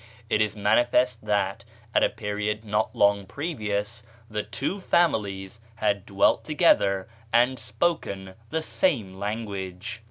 It is manifest that, at a period not long previous, the two families had dwelt together and spoken the same language."